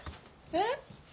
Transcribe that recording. えっ？